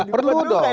tidak perlu dong